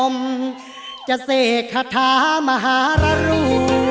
โอ้จะเสกทะทะมหารรู